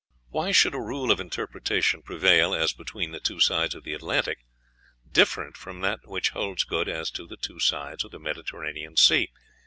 Why should a rule of interpretation prevail, as between the two sides of the Atlantic, different from that which holds good as to the two sides of the Mediterranean Sea?